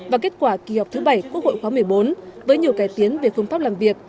và kết quả kỳ học thứ bảy quốc hội khóa một mươi bốn với nhiều cải tiến về công tác làm việc